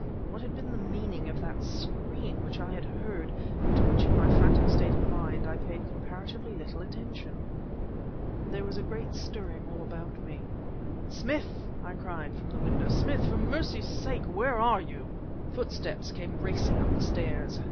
What had been the meaning of that scream which I had heard but to which in my frantic state of mind I had paid comparatively little attention? There was a great stirring all about me. "Smith!" I cried from the window; "Smith, for mercy's sake where are you?" Footsteps came racing up the stairs.